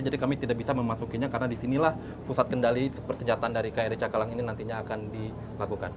jadi kami tidak bisa memasukinya karena disinilah pusat kendali persenjataan dari kri cakalang ini nantinya akan dilakukan